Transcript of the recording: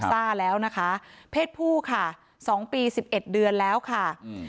ซ่าแล้วนะคะเพศผู้ค่ะ๒ปี๑๑เดือนแล้วค่ะ